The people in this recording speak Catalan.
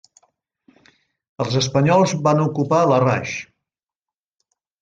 Els espanyols van ocupar Larraix.